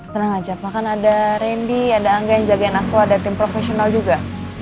senang aja bahkan ada randy ada angga yang jagain aku ada tim profesional juga